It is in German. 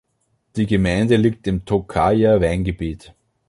Die Gemeinde liegt im Tokajer Weingebiet.